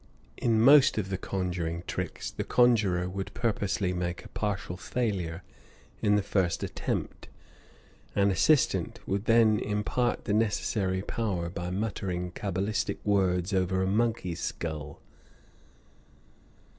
In most of the conjuring tricks the conjurer would purposely make a partial failure in the first attempt; an assistant would then impart the necessary power by muttering cabalistic words over a monkey's skull.